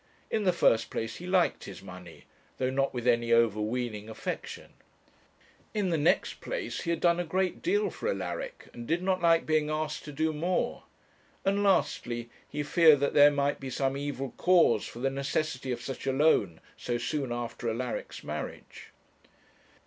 In the first place he liked his money, though not with any overweening affection; in the next place, he had done a great deal for Alaric, and did not like being asked to do more; and lastly, he feared that there must be some evil cause for the necessity of such a loan so soon after Alaric's marriage.